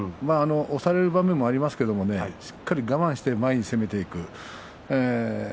押される場面もありますが、しっかりと我慢して前に攻めていく。